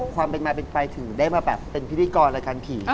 ความเป็นมาเป็นไปถึงได้มาแบบเป็นพิธีกรรายการผี